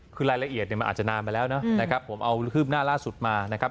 คือรายละเอียดเนี่ยมันอาจจะนานมาแล้วนะครับผมเอาคืบหน้าล่าสุดมานะครับ